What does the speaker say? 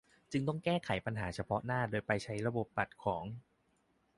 จึงต้องแก้ปัญหาเฉพาะหน้าโดยไปใช้ระบบบัตรของ